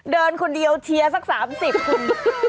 เดินคนเดียวเชียร์สัก๓๐คุณ